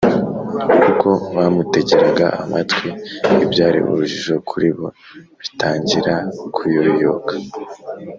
. Uko bamutegeraga amatwi, ibyari urujijo kuri bo bitangira kuyoyoka.